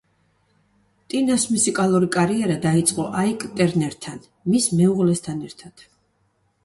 ტინას მუსიკალური კარიერა დაიწყო აიკ ტერნერთან, მის მეუღლესთან ერთად.